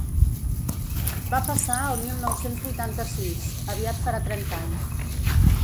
Va passar el mil nou-cents vuitanta-sis: aviat farà trenta anys.